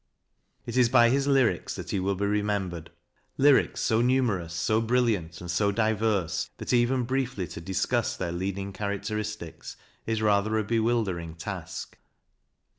It is by his lyrics that he will be remembered, lyrics so numerous, so brilliant, and so diverse, that even briefly to discuss their leading characteristics is rather a bewildering task.